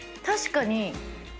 確かに。